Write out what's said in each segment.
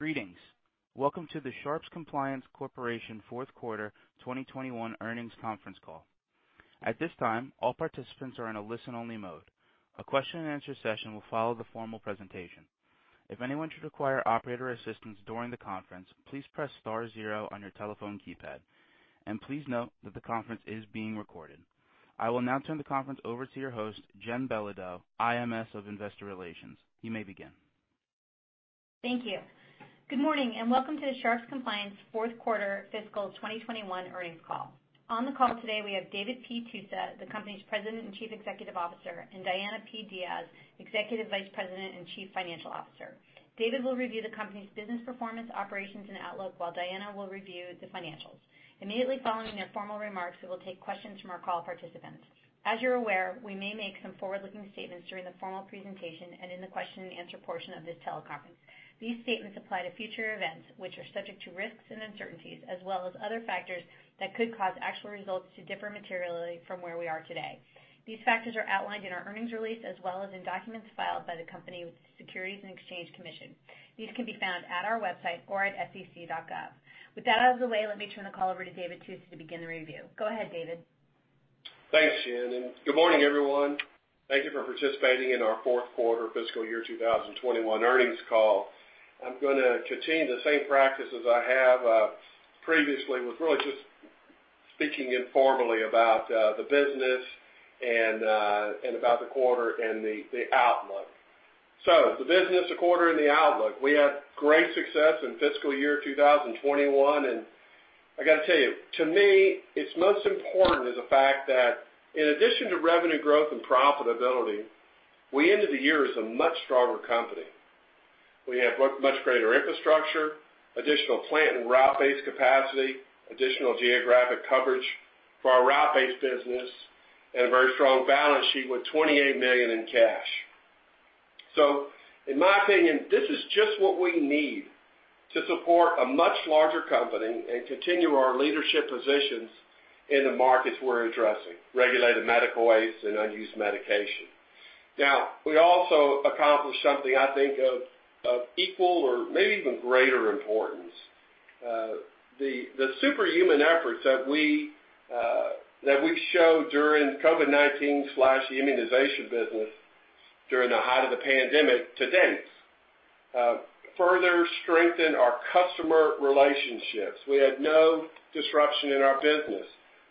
Greetings. Welcome to the Sharps Compliance Corporation fourth quarter 2021 earnings conference call. At this time, all participants are in a listen-only mode. A question and answer session will follow the formal presentation. If anyone should require operator assistance during the conference, please press star zero on your telephone keypad, and please note that the conference is being recorded. I will now turn the conference over to your host, Jen Belodeau, IMS of Investor Relations. You may begin. Thank you. Good morning and welcome to the Sharps Compliance fourth quarter fiscal 2021 earnings call. On the call today, we have David P. Tusa, the company's President and Chief Executive Officer, and Diana P. Diaz, Executive Vice President and Chief Financial Officer. David will review the company's business performance, operations, and outlook, while Diana will review the financials. Immediately following their formal remarks, we will take questions from our call participants. As you're aware, we may make some forward-looking statements during the formal presentation and in the question and answer portion of this teleconference. These statements apply to future events, which are subject to risks and uncertainties, as well as other factors that could cause actual results to differ materially from where we are today. These factors are outlined in our earnings release as well as in documents filed by the company with the Securities and Exchange Commission. These can be found at our website or at sec.gov. With that out of the way, let me turn the call over to David Tusa to begin the review. Go ahead, David. Thanks, Jen, good morning, everyone. Thank you for participating in our fourth quarter fiscal year 2021 earnings call. I'm going to continue the same practice as I have previously with really just speaking informally about the business and about the quarter and the outlook. The business, the quarter, and the outlook. We had great success in fiscal year 2021, and I got to tell you, to me, it's most important is the fact that in addition to revenue growth and profitability, we ended the year as a much stronger company. We have much greater infrastructure, additional plant and route-based capacity, additional geographic coverage for our route-based business, and a very strong balance sheet with $28 million in cash. In my opinion, this is just what we need to support a much larger company and continue our leadership positions in the markets we're addressing, regulated medical waste and unused medication. We also accomplished something I think of equal or maybe even greater importance. The superhuman efforts that we showed during COVID-19/immunization business during the height of the pandemic to date further strengthened our customer relationships. We had no disruption in our business.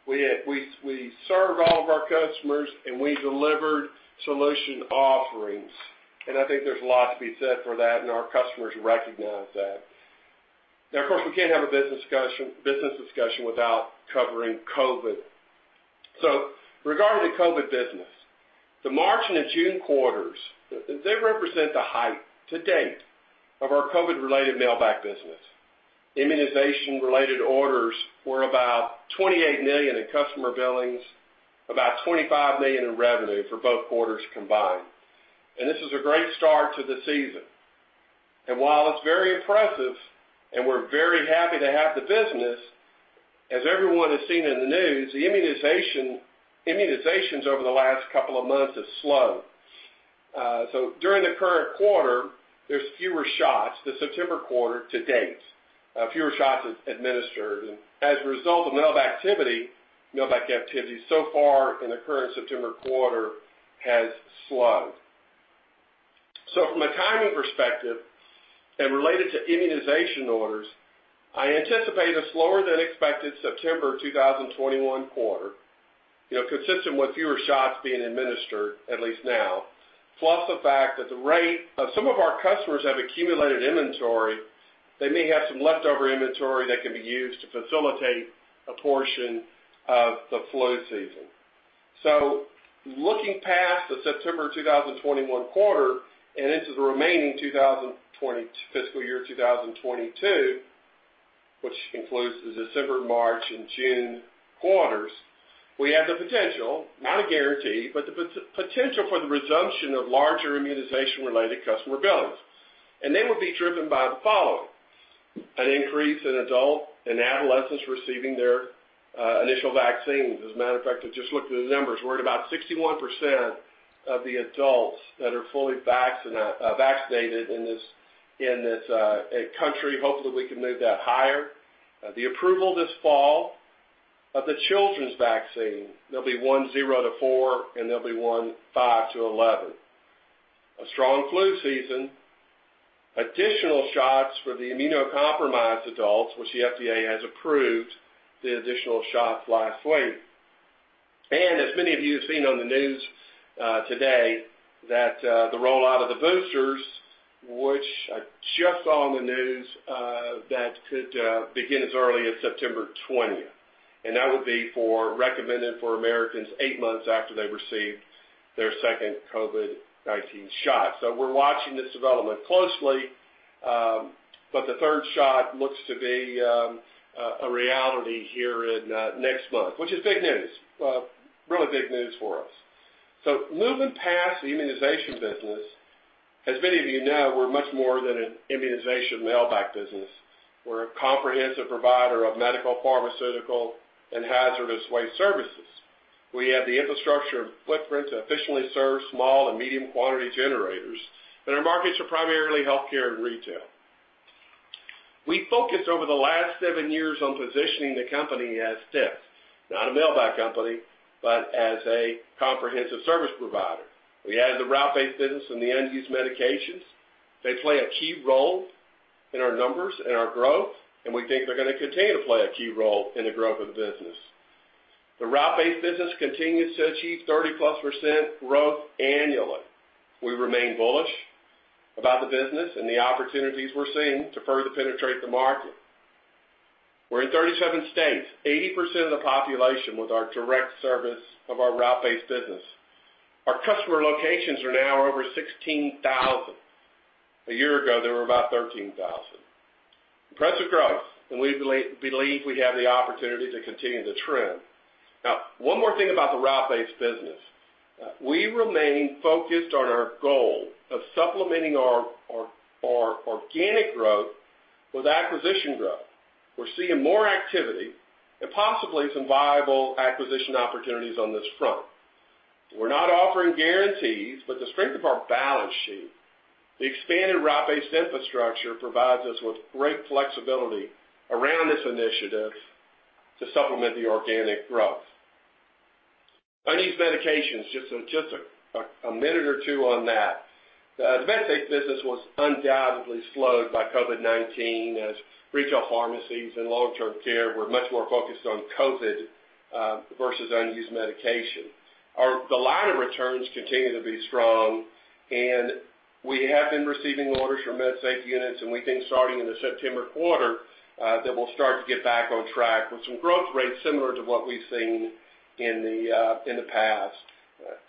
We served all of our customers, and we delivered solution offerings, and I think there's a lot to be said for that, and our customers recognize that. Of course, we can't have a business discussion without covering COVID. Regarding the COVID business, the March and the June quarters, they represent the height to date of our COVID-related mailback business. Immunization-related orders were about $28 million in customer billings, about $25 million in revenue for both quarters combined. This is a great start to the season. While it's very impressive and we're very happy to have the business, as everyone has seen in the news, the immunizations over the last couple of months have slowed. During the current quarter, there's fewer shots, the September quarter to date, fewer shots administered, and as a result of mailback activity, so far in the current September quarter has slowed. From a timing perspective and related to immunization orders, I anticipate a slower than expected September 2021 quarter, consistent with fewer shots being administered at least now. Plus the fact that the rate of some of our customers have accumulated inventory, they may have some leftover inventory that can be used to facilitate a portion of the flu season. Looking past the September 2021 quarter and into the remaining fiscal year 2022, which includes the December, March, and June quarters, we have the potential, not a guarantee, but the potential for the resumption of larger immunization-related customer billings, and they will be driven by the following: An increase in adult and adolescents receiving their initial vaccines. As a matter of fact, I just looked at the numbers. We're at about 61% of the adults that are fully vaccinated in this country. Hopefully, we can move that higher. The approval this fall of the children's vaccine. There'll be zero to four, and there'll be five to 11. A strong flu season. Additional shots for the immunocompromised adults, which the FDA has approved the additional shots last week. As many of you have seen on the news today, that the rollout of the boosters, which I just saw on the news, that could begin as early as September 20th. That would be for recommended for Americans eight months after they received their second COVID-19 shot. We're watching this development closely, but the third shot looks to be a reality here in next month, which is big news. Really big news for us. Moving past the immunization business, as many of you know, we're much more than an immunization mailback business. We're a comprehensive provider of medical, pharmaceutical, and hazardous waste services. We have the infrastructure and footprint to efficiently serve small and medium quantity generators, and our markets are primarily healthcare and retail. We focused over the last seven years on positioning the company as this, not a mailback company, but as a comprehensive service provider. We added the route-based business and the unused medications. They play a key role in our numbers and our growth, and we think they're going to continue to play a key role in the growth of the business. The route-based business continues to achieve +30% growth annually. We remain bullish about the business and the opportunities we're seeing to further penetrate the market. We're in 37 states, 80% of the population with our direct service of our route-based business. Our customer locations are now over 16,000. A year ago, there were about 13,000. Impressive growth, and we believe we have the opportunity to continue the trend. Now, one more thing about the route-based business. We remain focused on our goal of supplementing our organic growth with acquisition growth. We're seeing more activity and possibly some viable acquisition opportunities on this front. We're not offering guarantees, but the strength of our balance sheet, the expanded route-based infrastructure, provides us with great flexibility around this initiative to supplement the organic growth. Unused medications, just a minute or two on that. The MedSafe business was undoubtedly slowed by COVID-19, as retail pharmacies and long-term care were much more focused on COVID versus unused medication. The line of returns continue to be strong, and we have been receiving orders for MedSafe units, and we think starting in the September quarter, that we'll start to get back on track with some growth rates similar to what we've seen in the past.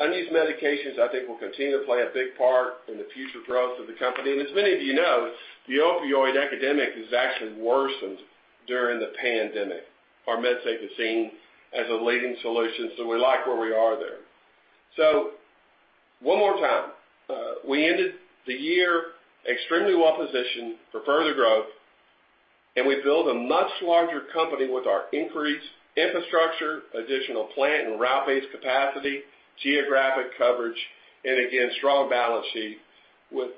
Unused medications, I think, will continue to play a big part in the future growth of the company. As many of you know, the opioid epidemic has actually worsened during the pandemic. Our MedSafe is seen as a leading solution, so we like where we are there. One more time. We ended the year extremely well-positioned for further growth, and we've built a much larger company with our increased infrastructure, additional plant and route-based capacity, geographic coverage, and again, strong balance sheet with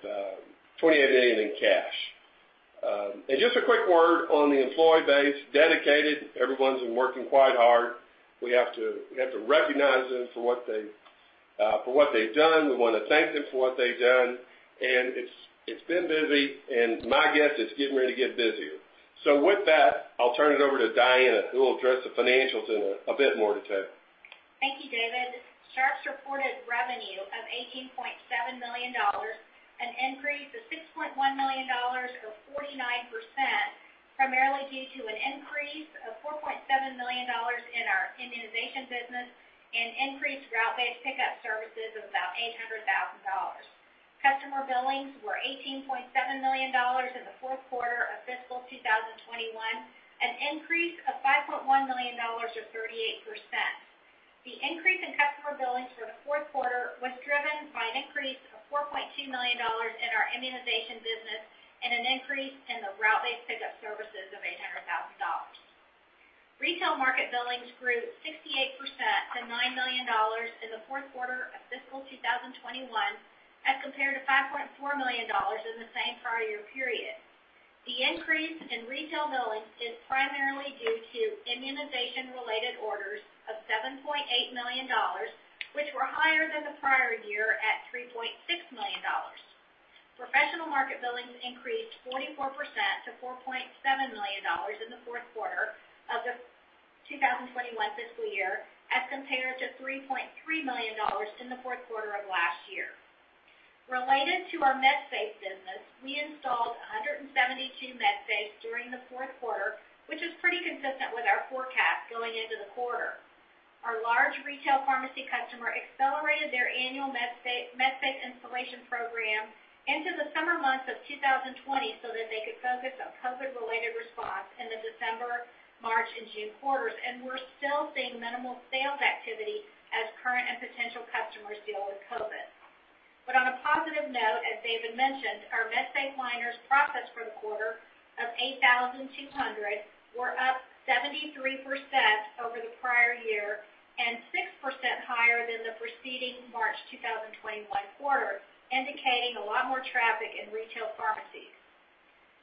$28 million in cash. Just a quick word on the employee base. Dedicated. Everyone's been working quite hard. We have to recognize them for what they've done. We want to thank them for what they've done. It's been busy, and my guess it's getting ready to get busier. With that, I'll turn it over to Diana, who will address the financials in a bit more detail. Thank you, David. Sharps reported revenue of $18.7 million, an increase of $6.1 million or 49%, primarily due to an increase of $4.7 million in our immunization business and increased route-based pickup services of about $800,000. Customer billings were $18.7 million in the fourth quarter of fiscal 2021, an increase of $5.1 million or 38%. The increase in customer billings for the fourth quarter was driven by an increase of $4.2 million in our immunization business and an increase in the route-based pickup services of $800,000. Retail market billings grew 68% to $9 million in the fourth quarter of fiscal 2021 as compared to $5.4 million in the same prior year period. The increase in retail billings is primarily due to immunization-related orders of $7.8 million, which were higher than the prior year at $3.6 million. Professional market billings increased 44% to $4.7 million in the fourth quarter of the 2021 fiscal year as compared to $3.3 million in the fourth quarter of last year. Related to our MedSafe business, we installed 172 MedSafes during the fourth quarter, which is pretty consistent with our forecast going into the quarter. Our large retail pharmacy customer accelerated their annual MedSafe installation program into the summer months of 2020 so that they could focus on COVID-related response in the December, March, and June quarters, and we're still seeing minimal sales activity as current and potential customers deal with COVID. On a positive note, as David mentioned, our MedSafe liners processed for the quarter of 8,200 were up 73% over the prior year and 6% higher than the preceding March 2021 quarter, indicating a lot more traffic in retail pharmacies.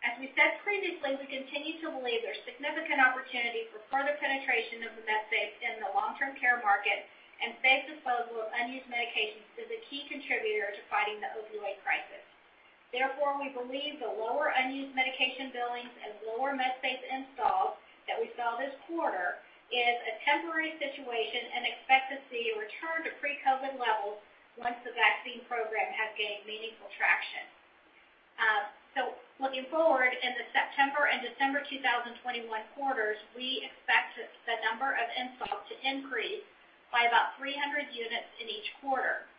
As we said previously, we continue to believe there's significant opportunity for further penetration of the MedSafe in the long-term care market, and safe disposal of unused medications is a key contributor to fighting the opioid crisis. Therefore, we believe the lower unused medication billings and lower MedSafe installs that we saw this quarter is a temporary situation and expect to see a return to pre-COVID levels once the vaccine program has gained meaningful traction. Looking forward, in the September and December 2021 quarters, we expect the number of installs to increase by about 300 units in each quarter.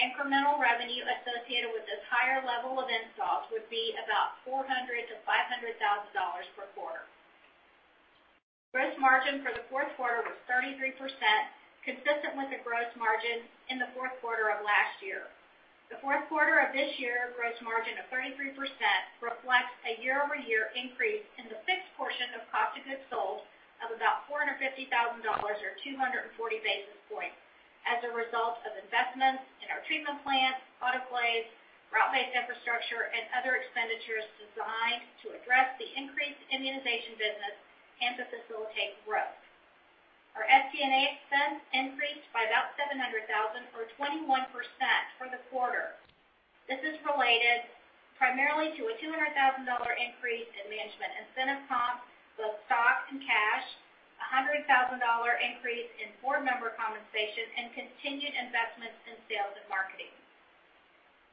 Incremental revenue associated with this higher level of installs would be about $400,000-$500,000 per quarter. Gross margin for the fourth quarter was 33%, consistent margin in the fourth quarter of last year. The fourth quarter of this year gross margin of 33% reflects a year-over-year increase in the fixed portion of cost of goods sold of about $450,000, or 240 basis points, as a result of investments in our treatment plants, autoclaves, route-based infrastructure, and other expenditures designed to address the increased immunization business and to facilitate growth. Our SG&A expense increased by about $700,000, or 21%, for the quarter. This is related primarily to a $200,000 increase in management incentive comp, both stock and cash, $100,000 increase in board member compensation, and continued investments in sales and marketing.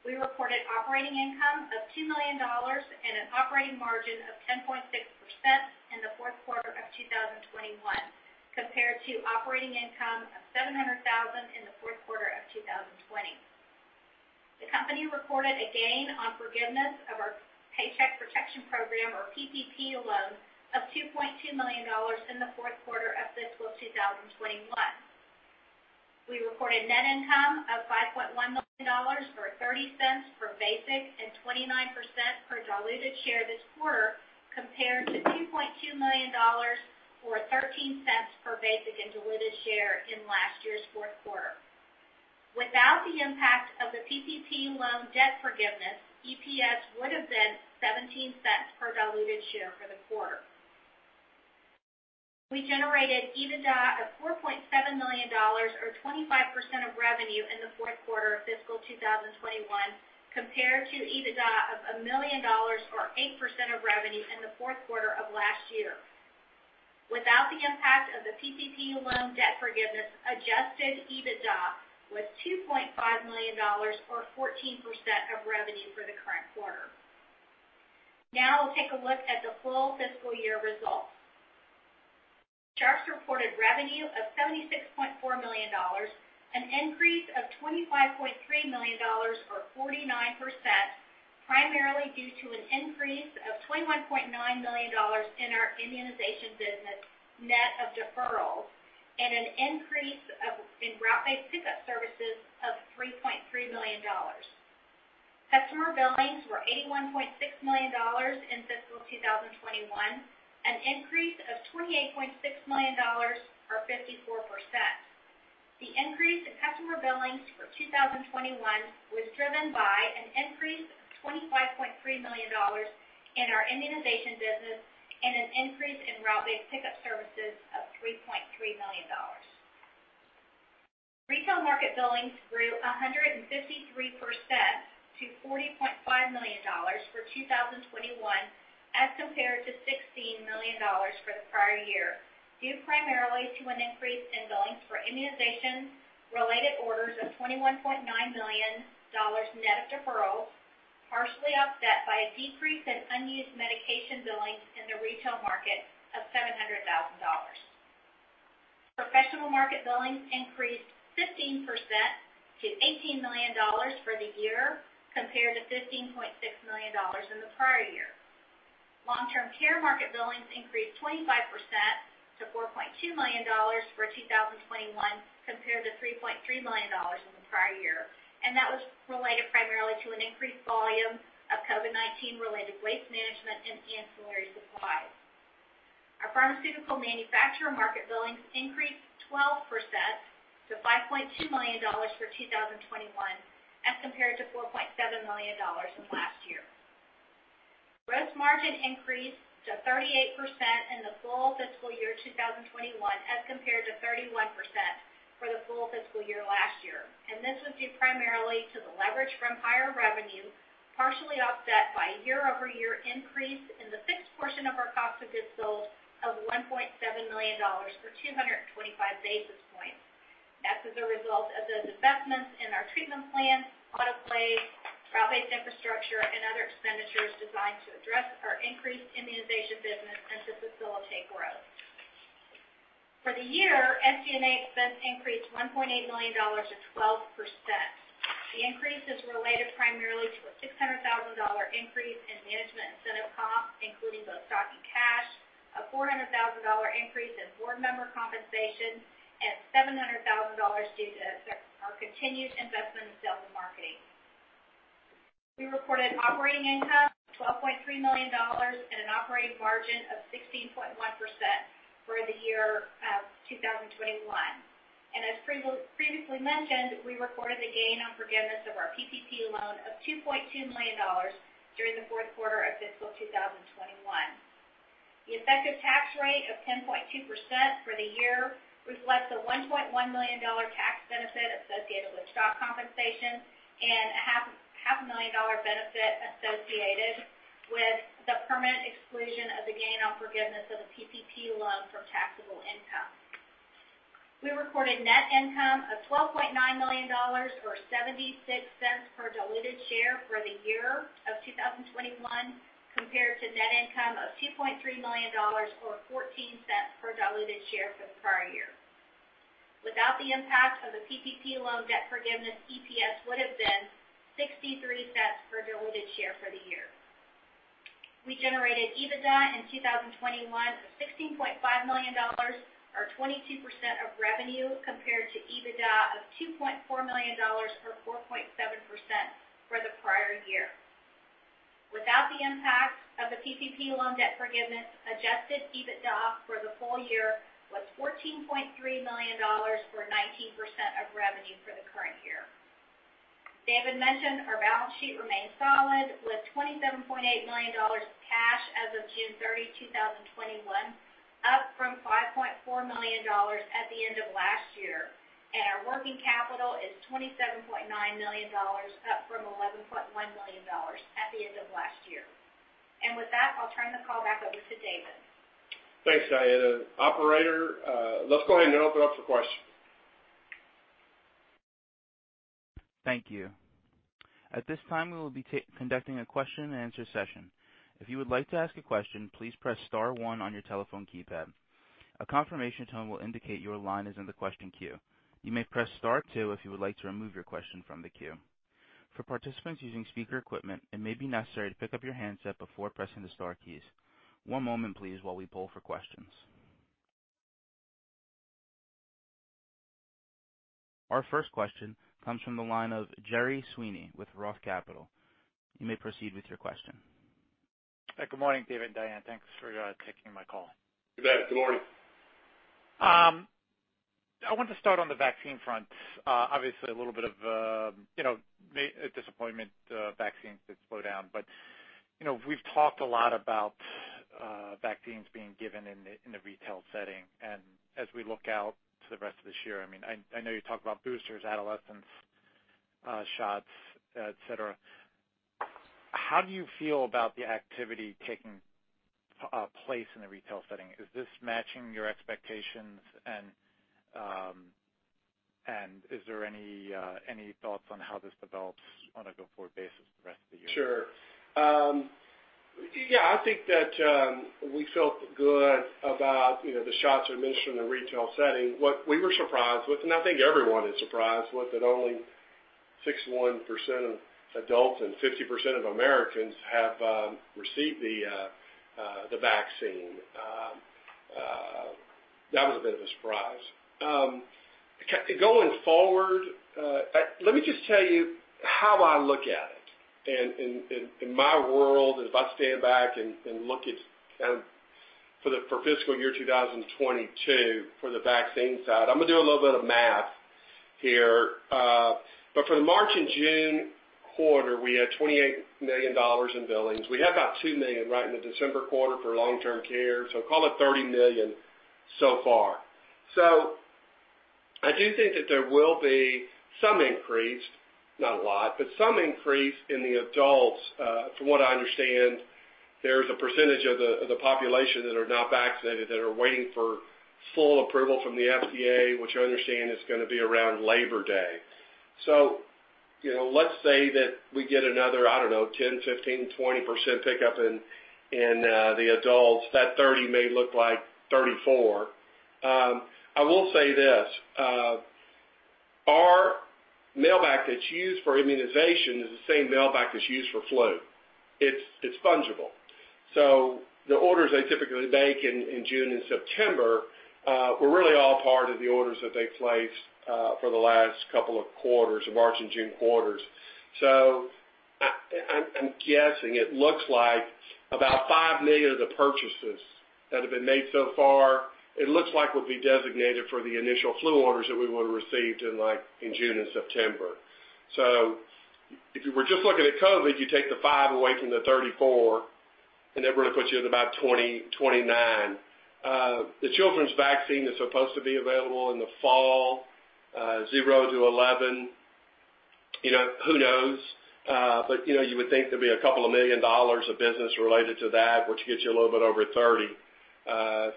We reported operating income of $2 million and an operating margin of 10.6% in the fourth quarter of 2021, compared to operating income of $700,000 in the fourth quarter of 2020. The company reported a gain on forgiveness of our Paycheck Protection Program, or PPP, loan of $2.2 million in the fourth quarter of fiscal 2021. We reported net income of $5.1 million, or $0.30 per basic and 29% per diluted share this quarter, compared to $2.2 million or $0.13 per basic and diluted share in last year's fourth quarter. Without the impact of the PPP loan debt forgiveness, EPS would have been $0.17 per diluted share for the quarter. We generated EBITDA of $4.7 million, or 25% of revenue in the fourth quarter of fiscal 2021, compared to EBITDA of $1 million or 8% of revenue in the fourth quarter of last year. Without the impact of the PPP loan debt forgiveness, adjusted EBITDA was $2.5 million, or 14% of revenue for the current quarter. Now we'll take a look at the full fiscal year results. Sharps reported revenue of $76.4 million, an increase of $25.3 million or 49%, primarily due to an increase of $21.9 million in our immunization business, net of deferrals, and an increase in route-based pickup services of $3.3 million. Customer billings were $81.6 million in fiscal 2021, an increase of $28.6 million or 54%. The increase in customer billings for 2021 was driven by an increase of $25.3 million in our immunization business and an increase in route-based pickup services of $3.3 million. Retail market billings grew 153% to $40.5 million for 2021 as compared to $16 million for the prior year, due primarily to an increase in billings for immunization-related orders of $21.9 million net of deferrals, partially offset by a decrease in unused medication billings in the retail market of $700,000. Professional market billings increased 15% to $18 million for the year, compared to $15.6 million in the prior year. Long-term care market billings increased 25% to $4.2 million for 2021, compared to $3.3 million in the prior year. That was related primarily to an increased volume of COVID-19-related waste management and ancillary supplies. Our pharmaceutical manufacturer market billings increased 12% to $5.2 million for 2021 as compared to $4.7 million from last year. Gross margin increased to 38% in the full fiscal year 2021 as compared to 31% for the full fiscal year last year. This was due primarily to the leverage from higher revenue, partially offset by a year-over-year increase in the fixed portion of our cost of goods sold of $1.7 million or 225 basis points. That's as a result of those investments in our treatment plant, autoclaves, route-based infrastructure, and other expenditures designed to address our increased immunization business and to facilitate growth. For the year, SG&A expense increased $1.8 million to 12%. The increase is related primarily to a $600,000 increase in management incentive comp, including both stock and cash, a $400,000 increase in board member compensation, and $700,000 due to our continued investment in sales and marketing. We reported operating income of $12.3 million and an operating margin of 16.1% for the year of 2021. As previously mentioned, we recorded a gain on forgiveness of our PPP loan of $2.2 million during the fourth quarter of fiscal 2021. The effective tax rate of 10.2% for the year reflects a $1.1 million tax benefit associated with stock compensation and a half a million dollar benefit associated with the permanent exclusion of the gain on forgiveness of a PPP loan from taxable income. We recorded net income of $12.9 million, or $0.76 per diluted share for the year of 2021, compared to net income of $2.3 million or $0.14 per diluted share for the prior year. Without the impact of a PPP loan debt forgiveness, EPS would have been $0.63 per diluted share for the year. We generated EBITDA in 2021 of $16.5 million, or 22% of revenue, compared to EBITDA of $2.4 million or 4.7% for the prior year. Without the impact of the PPP loan debt forgiveness, adjusted EBITDA for the full year was $14.3 million or 19% of revenue for the current year. David mentioned our balance sheet remains solid with $27.8 million cash as of June 30, 2021, up from $5.4 million at the end of last year, our working capital is $27.9 million, up from $11.1 million at the end of last year. With that, I'll turn the call back over to David. Thanks, Diana. Operator, let's go ahead and open up for questions. Thank you. At this time, we will be conducting a question and answer session. If you would like to ask a question, please press star one on your telephone keypad. A confirmation tone will indicate your line is in the question queue. You may press star two if you would like to remove your question from the queue. For participants using speaker equipment, it may be necessary to pick up your handset before pressing the star keys. One moment please while we poll for questions. Our first question comes from the line of Gerard Sweeney with Roth Capital Partners. You may proceed with your question. Good morning, David and Diana. Thanks for taking my call. You bet. Good morning. I want to start on the vaccine front. Obviously, a little bit of disappointment, vaccines did slow down. We've talked a lot about vaccines being given in the retail setting. As we look out to the rest of this year, I know you talk about boosters, adolescent shots, et cetera. How do you feel about the activity taking place in the retail setting? Is this matching your expectations? Is there any thoughts on how this develops on a go-forward basis for the rest of the year? Sure. Yeah, I think that we felt good about the shots administered in the retail setting. What we were surprised with, and I think everyone is surprised with, that only 61% of adults and 50% of Americans have received the vaccine. That was a bit of a surprise. Going forward, let me just tell you how I look at it. In my world, if I stand back and look at for fiscal year 2022 for the vaccine side, I'm going to do a little bit of math here. For the March and June quarter, we had $28 million in billings. We had about $2 million right in the December quarter for long-term care, call it $30 million so far. I do think that there will be some increase, not a lot, but some increase in the adults. From what I understand, there's a percentage of the population that are not vaccinated that are waiting for full approval from the FDA, which I understand is going to be around Labor Day. Let's say that we get another, I don't know, 10%, 15%, 20% pickup in the adults. That 30 may look like 34. I will say this. Our mailback that's used for immunization is the same mailback that's used for flu. It's fungible. The orders they typically make in June and September were really all part of the orders that they placed for the last couple of quarters of March and June quarters. I'm guessing it looks like about $5 million of the purchases that have been made so far, it looks like will be designated for the initial flu orders that we would have received in June and September. If you were just looking at COVID, you take the five away from the 34, and that really puts you at about 29. The children's vaccine is supposed to be available in the fall, zero to 11. Who knows? You would think there'd be $2 million of business related to that, which gets you a little bit over $30.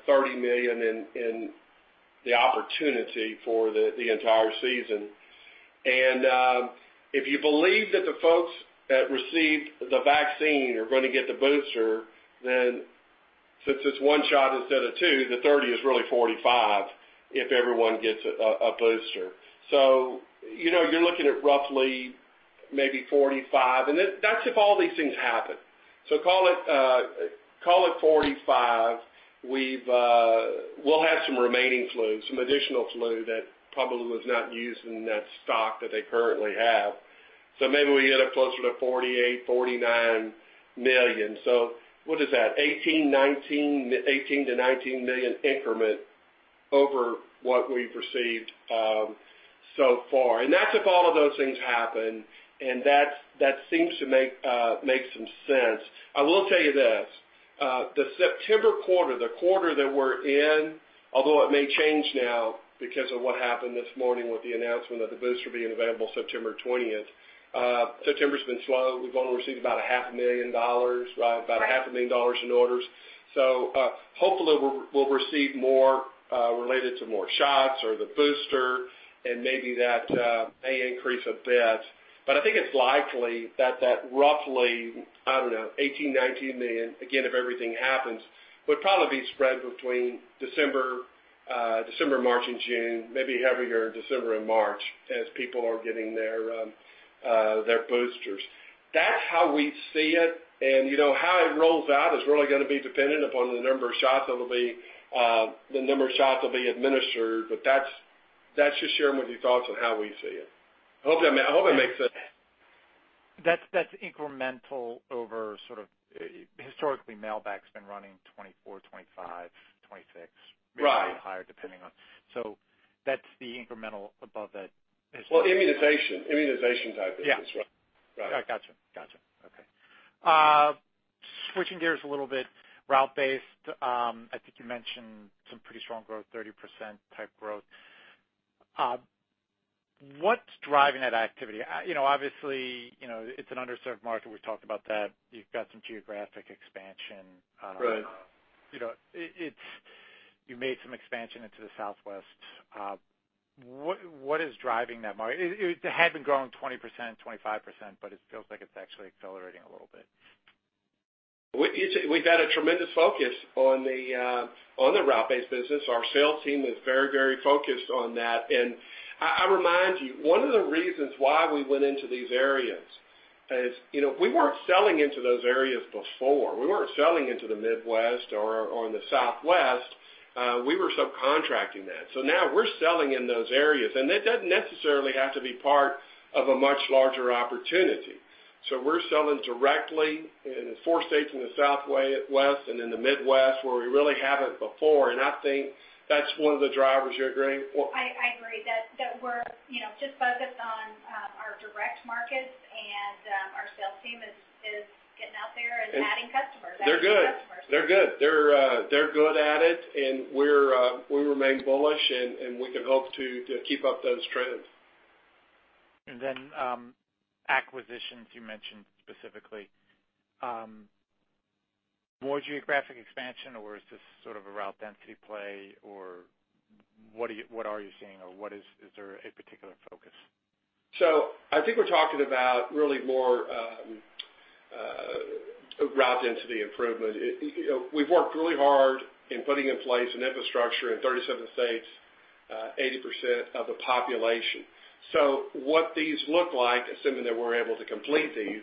$30 million in the opportunity for the entire season. If you believe that the folks that received the vaccine are going to get the booster, then since it's one shot instead of two, the $30 is really $45 if everyone gets a booster. You're looking at roughly maybe $45, and that's if all these things happen. Call it $45. We'll have some remaining flu, some additional flu that probably was not used in that stock that they currently have. Maybe we end up closer to $48 million, $49 million. What is that? $18 million-$19 million increment over what we've received so far. That's if all of those things happen, and that seems to make some sense. I will tell you this. The September quarter, the quarter that we're in, although it may change now because of what happened this morning with the announcement of the booster being available September 20th. September's been slow. We've only received about a half a million dollars in orders. Hopefully we'll receive more related to more shots or the booster, and maybe that may increase a bit. I think it's likely that that roughly, I don't know, $18 million, $19 million, again, if everything happens, would probably be spread between December, March, and June, maybe heavier in December and March as people are getting their boosters. That's how we see it. How it rolls out is really going to be dependent upon the number of shots that'll be administered. That's just sharing with you thoughts on how we see it. I hope that makes sense. That's incremental over sort of historically, mailback's been running 24, 25, 26. Right maybe a bit higher, depending on. that's the incremental above that historically- Well, immunization type business. Yeah. Right. Got you. Okay. Switching gears a little bit, route-based, I think you mentioned some pretty strong growth, 30% type growth. What's driving that activity? Obviously, it's an underserved market. We've talked about that. You've got some geographic expansion. Right. You made some expansion into the Southwest. What is driving that market? It had been growing 20%, 25%, but it feels like it's actually accelerating a little bit. We've had a tremendous focus on the route-based business. Our sales team is very focused on that. I remind you, one of the reasons why we went into these areas is we weren't selling into those areas before. We weren't selling into the Midwest or in the Southwest. We were subcontracting that. Now we're selling in those areas, and that doesn't necessarily have to be part of a much larger opportunity. We're selling directly in four states in the Southwest and in the Midwest, where we really haven't before. I think that's one of the drivers you're agreeing. I agree that we're just focused on our direct markets. Our sales team is getting out there and adding customers, adding new customers. They're good. They're good at it, and we remain bullish, and we can hope to keep up those trends. Acquisitions you mentioned specifically. More geographic expansion, or is this sort of a route density play? What are you seeing, or is there a particular focus? I think we're talking about really more route density improvement. We've worked really hard in putting in place an infrastructure in 37 states, 80% of the population. What these look like, assuming that we're able to complete these,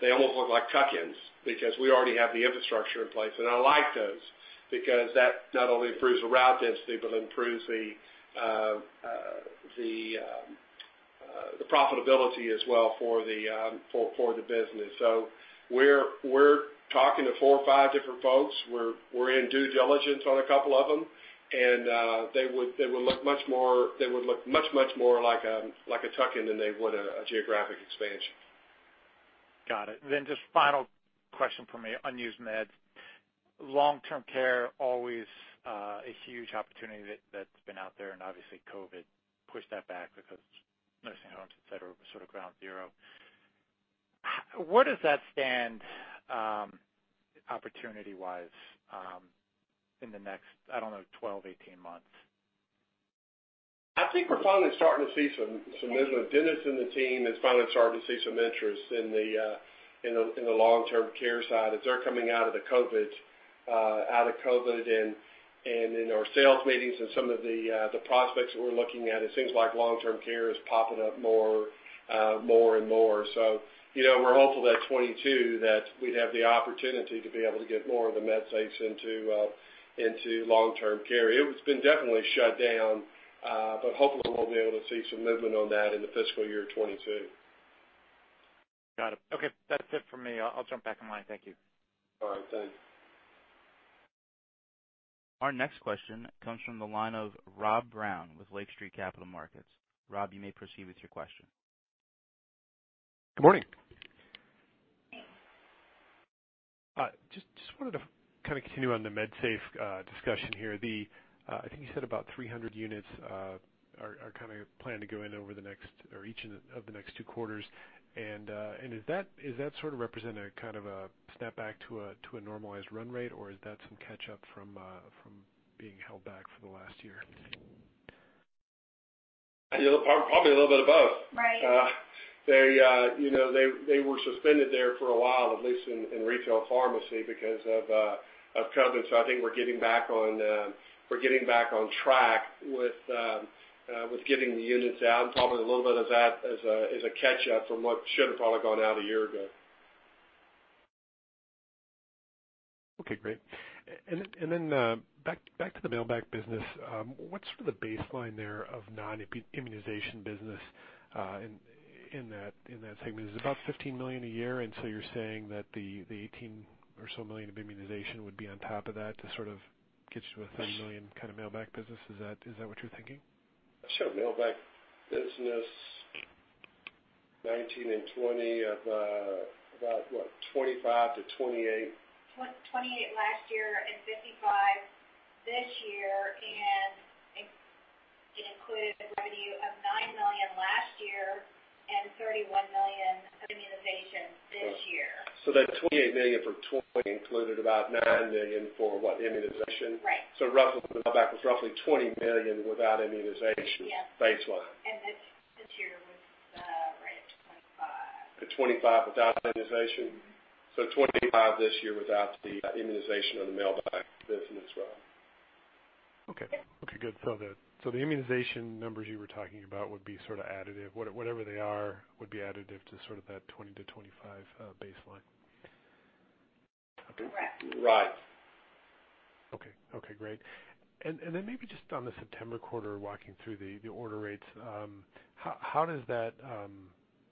they almost look like tuck-ins because we already have the infrastructure in place. I like those because that not only improves the route density, but improves the profitability as well for the business. We're talking to four or five different folks. We're in due diligence on a couple of them, and they would look much, much more like a tuck-in than they would a geographic expansion. Got it. Just final question from me. Unused meds. Long-term care, always a huge opportunity that's been out there, and obviously COVID-19 pushed that back because nursing homes, et cetera, were sort of ground zero. Where does that stand opportunity-wise in the next, I don't know, 12, 18 months? I think we're finally starting to see some movement. Dennis and the team is finally starting to see some interest in the long-term care side as they're coming out of COVID-19. In our sales meetings and some of the prospects that we're looking at, it seems like long-term care is popping up more and more. We're hopeful that 2022 that we'd have the opportunity to be able to get more of the MedSafes into long-term care. It's been definitely shut down. Hopefully we'll be able to see some movement on that in the fiscal year 2022. Got it. Okay. That's it for me. I'll jump back in line. Thank you. All right. Thanks. Our next question comes from the line of Rob Brown with Lake Street Capital Markets. Robert, you may proceed with your question. Good morning. Just wanted to kind of continue on the MedSafe discussion here. I think you said about 300 units are kind of planned to go in over the next, or each of the next two quarters. Does that sort of represent a kind of a step back to a normalized run rate, or is that some catch-up from being held back for the last year? Probably a little bit of both. Right. They were suspended there for a while, at least in retail pharmacy because of COVID. I think we're getting back on track with getting the units out, and probably a little bit of that as a catch-up from what should have probably gone out a year ago. Okay, great. Back to the mailback business. What's sort of the baseline there of non-immunization business in that segment? Is it about $15 million a year, you're saying that the $18 million or so of immunization would be on top of that to sort of get you to a $30 million kind of mailback business? Is that what you're thinking? mailback business 2019 and 2020 of about what? $25-$28. 28 last year and 55 this year. It included revenue of $9 million last year and $31 million of immunizations this year. That $28 million for included about $9 million for what, immunization? Right. Roughly mailback was roughly $20 million without immunization. Yes baseline. And it's- 25 without immunization. 25 this year without the immunization or the mailback business as well. Okay. Good. The immunization numbers you were talking about would be sort of additive. Whatever they are would be additive to sort of that 20-25 baseline. Okay. Correct. Right. Okay. Great. Maybe just on the September quarter, walking through the order rates, how does that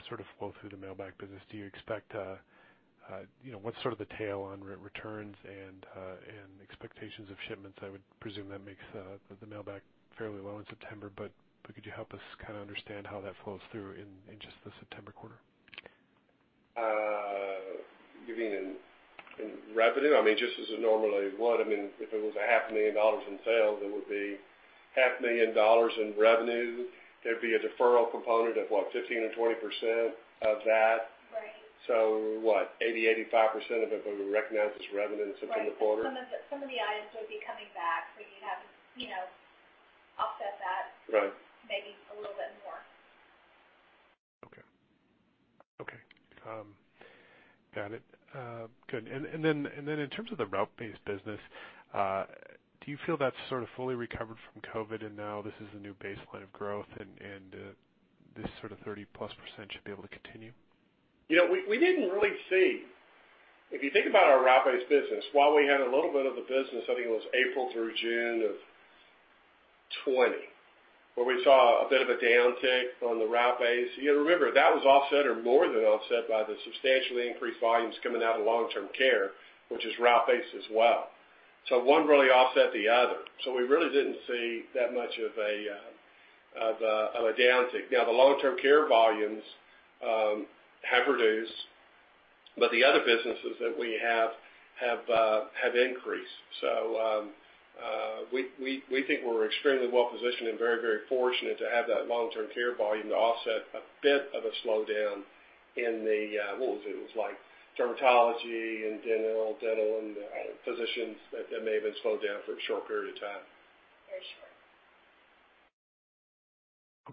sort of flow through the mail-back business? What's sort of the tail on returns and expectations of shipments? I would presume that makes the mail-back fairly low in September, could you help us kind of understand how that flows through in just the September quarter? You mean in revenue? I mean, just as it normally would. If it was a half a million dollars in sales, it would be half a million dollars in revenue. There'd be a deferral component of what? 15 or 20% of that. Right. What? 80%, 85% of it would be recognized as revenue in September quarter. Right. Some of the items would be coming back. We could offset that. Right maybe a little bit more. Okay. Got it. Good. In terms of the route-based business, do you feel that's sort of fully recovered from COVID and now this is the new baseline of growth and this sort of +30% should be able to continue? We didn't really see. If you think about our route-based business, while we had a little bit of the business, I think it was April through June of 2020, where we saw a bit of a downtick on the route-based. You got to remember, that was offset or more than offset by the substantially increased volumes coming out of long-term care, which is route-based as well. One really offset the other. We really didn't see that much of a downtick. Now, the long-term care volumes have reduced, but the other businesses that we have increased. We think we're extremely well-positioned and very fortunate to have that long-term care volume to offset a bit of a slowdown in the What was it? It was like dermatology and dental, and physicians that may have been slowed down for a short period of time. Very short.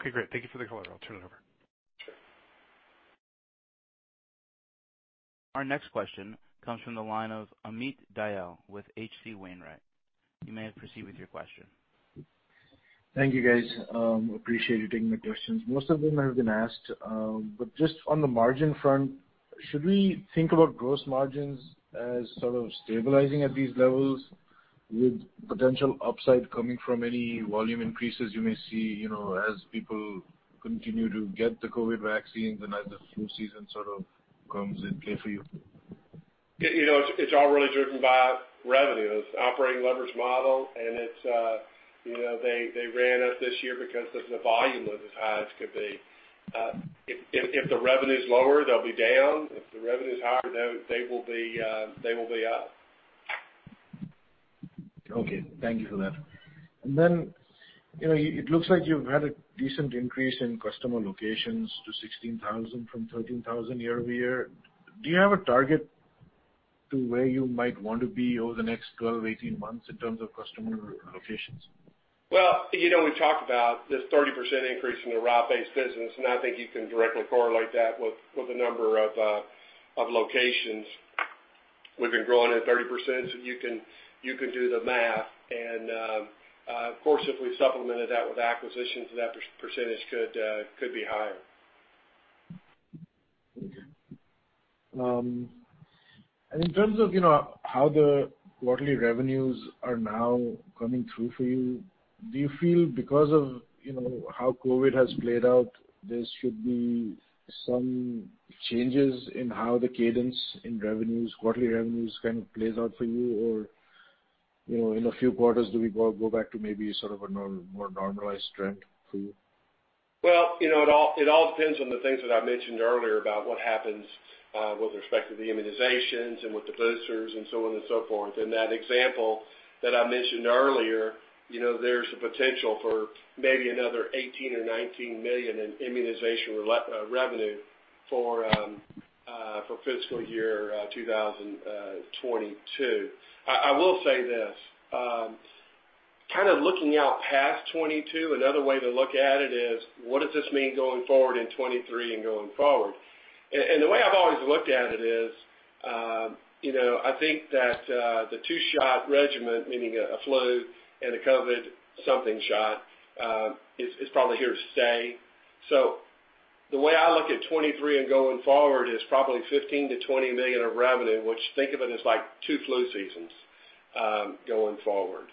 Okay, great. Thank you for the color. I'll turn it over. Sure. Our next question comes from the line of Amit Dayal with H.C. Wainwright. You may proceed with your question. Thank you, guys. Appreciate you taking the questions. Most of them have been asked, but just on the margin front, should we think about gross margins as sort of stabilizing at these levels with potential upside coming from any volume increases you may see as people continue to get the COVID vaccines and as the flu season sort of comes in play for you? It's all really driven by revenue. It's operating leverage model, and they ran up this year because the volume was as high as could be. If the revenue's lower, they'll be down. If the revenue is higher, they will be up. Okay. Thank you for that. It looks like you've had a decent increase in customer locations to 16,000 from 13,000 year-over-year. Do you have a target to where you might want to be over the next 12, 18 months in terms of customer locations? Well, we talked about this 30% increase in the route-based business, I think you can directly correlate that with the number of locations. We've been growing at 30%, you can do the math. Of course, if we supplemented that with acquisitions, that percentage could be higher. Okay. In terms of how the quarterly revenues are now coming through for you, do you feel because of how COVID-19 has played out, there should be some changes in how the cadence in revenues, quarterly revenues kind of plays out for you? Or, in a few quarters, do we go back to maybe sort of a more normalized trend for you? Well, it all depends on the things that I mentioned earlier about what happens with respect to the immunizations and with the boosters and so on and so forth. In that example that I mentioned earlier, there's a potential for maybe another $18 million or $19 million in immunization revenue for fiscal year 2022. I will say this. Kind of looking out past 2022, another way to look at it is, what does this mean going forward in 2023 and going forward? The way I've always looked at it is, I think that the two-shot regimen, meaning a flu and a COVID something shot, is probably here to stay. The way I look at 2023 and going forward is probably $15 million-$20 million of revenue, which think of it as like two flu seasons, going forward.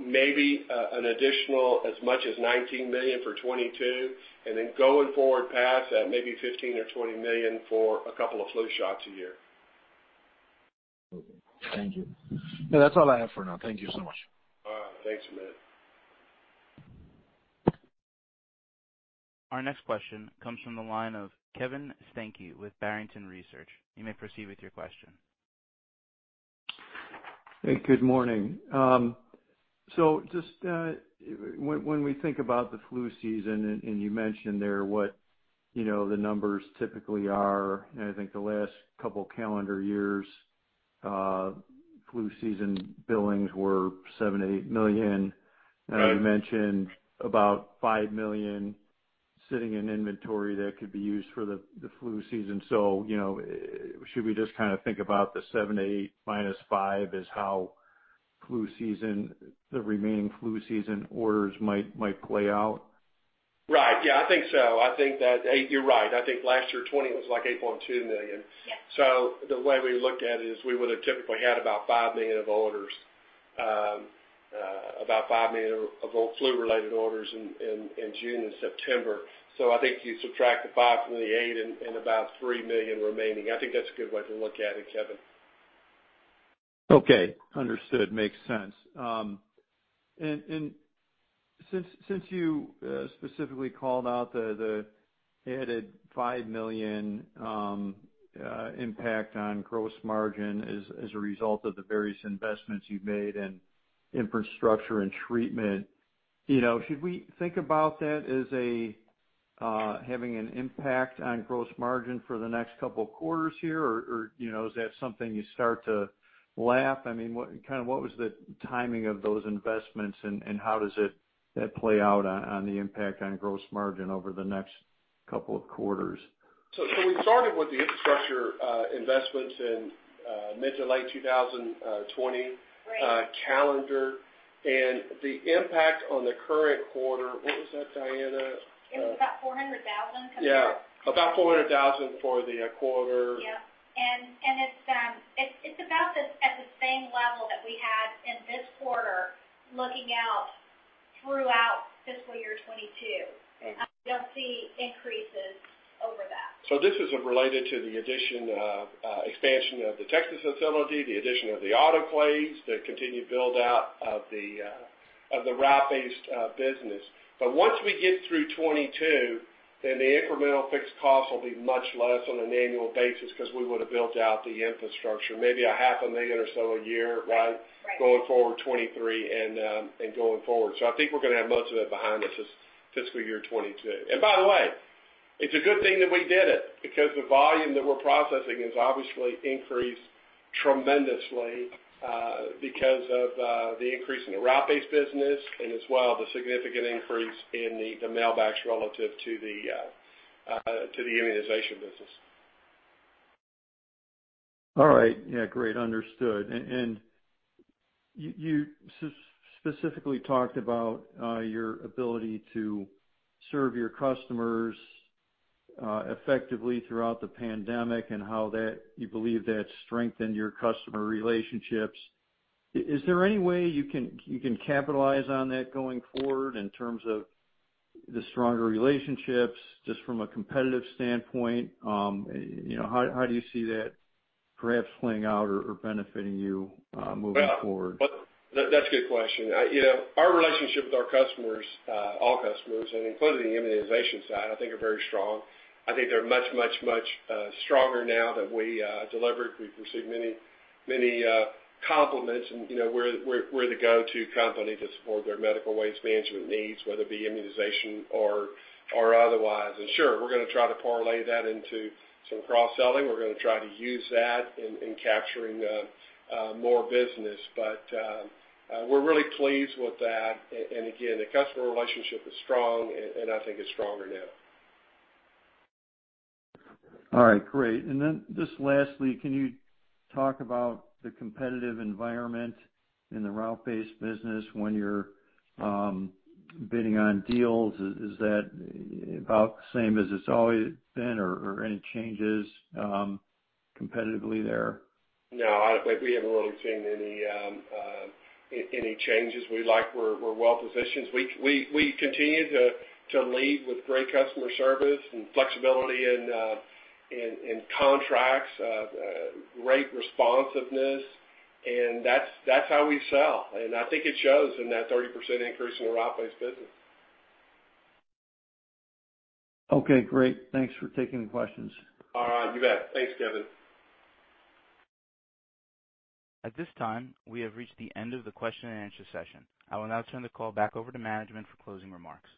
Maybe an additional as much as $19 million for 2022, and then going forward past that, maybe $15 million or $20 million for 2 flu shots a year. Okay. Thank you. No, that's all I have for now. Thank you so much. All right. Thanks, Amit. Our next question comes from the line of Kevin Steinke with Barrington Research. You may proceed with your question. Hey, good morning. Just when we think about the flu season, and you mentioned there what the numbers typically are, and I think the last couple calendar years, flu season billings were $7 million-$8 million. Right. Now you mentioned about $5 million sitting in inventory that could be used for the flu season. Should we just think about the $7-$8 -$5 is how the remaining flu season orders might play out? Right. Yeah, I think so. I think that you're right. I think last year 2020 was like $8.2 million. Yes. The way we looked at it is we would've typically had about $5 million of orders, about $5 million of old flu-related orders in June and September. I think you subtract the 5 from the 8 and about $3 million remaining. I think that's a good way to look at it, Kevin. Since you specifically called out the added $5 million impact on gross margin as a result of the various investments you've made in infrastructure and treatment, should we think about that as having an impact on gross margin for the next couple of quarters here? Is that something you start to lap? What was the timing of those investments and how does that play out on the impact on gross margin over the next couple of quarters? We started with the infrastructure investments in mid to late 2020 calendar. The impact on the current quarter, what was that, Diana? It was about $400,000 compared- Yeah. About $400,000 for the quarter. Yep. It's about at the same level that we had in this quarter, looking out throughout fiscal year 2022. You'll see increases over that. This is related to the expansion of the Texas facility, the addition of the autoclaves, the continued build-out of the route-based business. Once we get through 2022, the incremental fixed cost will be much less on an annual basis because we would've built out the infrastructure. Maybe a half a million or so a year, right? Right. Going forward 2023 and going forward. I think we're going to have most of it behind us fiscal year 2022. By the way, it's a good thing that we did it because the volume that we're processing has obviously increased tremendously because of the increase in the route-based business and as well, the significant increase in the mailbacks relative to the immunization business. All right. Yeah, great. Understood. You specifically talked about your ability to serve your customers effectively throughout the pandemic and how you believe that strengthened your customer relationships. Is there any way you can capitalize on that going forward in terms of the stronger relationships, just from a competitive standpoint? How do you see that perhaps playing out or benefiting you moving forward? That's a good question. Our relationship with our customers, all customers, including the immunization side, I think are very strong. I think they're much stronger now that we delivered. We've received many compliments and we're the go-to company to support their medical waste management needs, whether it be immunization or otherwise. Sure, we're going to try to parlay that into some cross-selling. We're going to try to use that in capturing more business. We're really pleased with that. Again, the customer relationship is strong, and I think it's stronger now. All right. Great. Just lastly, can you talk about the competitive environment in the route-based business when you're bidding on deals? Is that about the same as it's always been or any changes competitively there? I think we haven't really seen any changes. We like where we're well positioned. We continue to lead with great customer service and flexibility in contracts, great responsiveness, and that's how we sell. I think it shows in that 30% increase in the route-based business. Okay, great. Thanks for taking the questions. All right, you bet. Thanks, Kevin. At this time, we have reached the end of the question and answer session. I will now turn the call back over to management for closing remarks.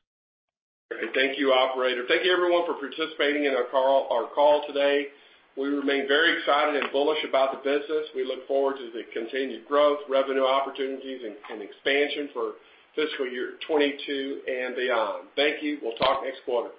Okay. Thank you, operator. Thank you everyone for participating in our call today. We remain very excited and bullish about the business. We look forward to the continued growth, revenue opportunities, and expansion for fiscal year 2022 and beyond. Thank you. We'll talk next quarter.